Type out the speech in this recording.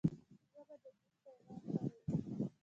ژبه د دین پيغام خپروي